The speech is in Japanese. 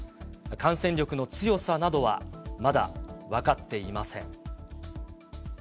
感染力の強さなどは、まだ分かっていません。